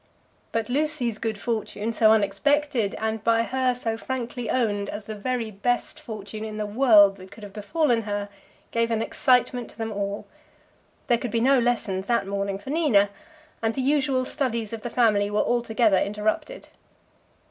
But Lucy's good fortune, so unexpected, and by her so frankly owned as the very best fortune in the world that could have befallen her, gave an excitement to them all. There could be no lessons that morning for Nina, and the usual studies of the family were altogether interrupted.